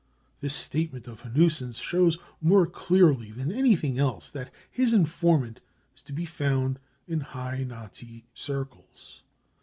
This statement of Iianussen 5 s shows more clearly than anything else that his informant is to be found in high Nazi circles.